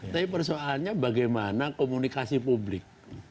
tapi persoalannya bagaimana komunikasi publik